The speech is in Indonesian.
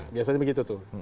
biasanya begitu tuh